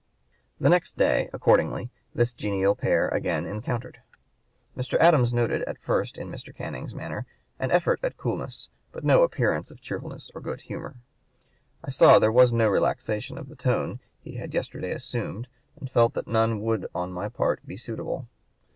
The next day, accordingly, this genial pair again encountered. Mr. Adams noted at first in Mr. Canning's manner "an effort at coolness, but no appearance of cheerfulness or good humor. I saw there was (p. 145) no relaxation of the tone he had yesterday assumed, and felt that none would on my part be suitable."